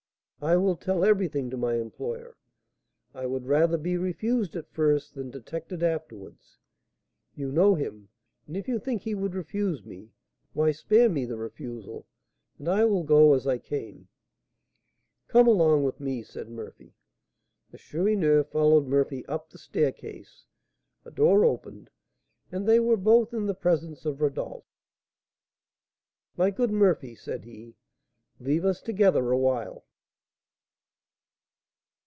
"I will tell everything to my employer; I would rather be refused at first than detected afterwards. You know him, and if you think he would refuse me, why, spare me the refusal, and I will go as I came." "Come along with me," said Murphy. The Chourineur followed Murphy up the staircase; a door opened, and they were both in the presence of Rodolph. "My good Murphy," said he, "leave us together awhile."